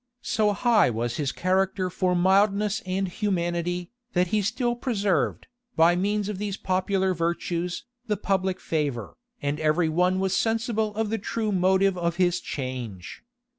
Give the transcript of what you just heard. So high was his character for mildness and humanity, that he still preserved, by means of these popular virtues, the public favor; and every one was sensible of the true motive of his change.